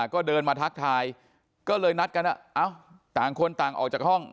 ก็เดินมาทักทายก็เลยนัดกันต่างคนต่างออกจากห้อง